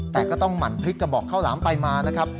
แต่ก็ต้องหั่นพริกกระบอกข้าวหลามไปมานะครับ